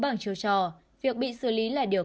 bằng chiều trò việc bị xử lý là điều